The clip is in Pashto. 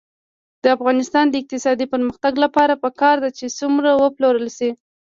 د افغانستان د اقتصادي پرمختګ لپاره پکار ده چې څرمن وپلورل شي.